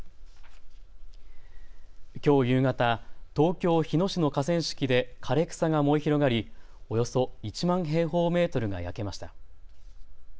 きょう夕方、東京日野市の河川敷で枯れ草が燃え広がり、およそ１万平方メートルが焼けました。